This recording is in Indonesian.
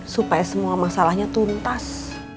supaya semua masalahnya tuntas